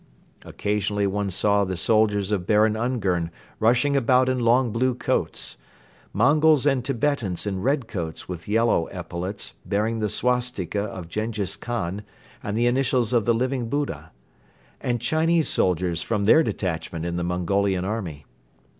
Occasionally one saw the soldiers of Baron Ungern rushing about in long blue coats; Mongols and Tibetans in red coats with yellow epaulets bearing the swastika of Jenghiz Khan and the initials of the Living Buddha; and Chinese soldiers from their detachment in the Mongolian army.